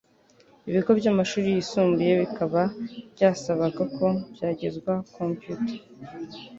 Ibigo byamashuri yisumbuye bikaba byasabaga ko byagezwa computer